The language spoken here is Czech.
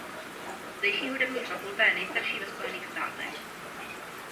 Zdejší hudební fakulta je nejstarší ve Spojených státech.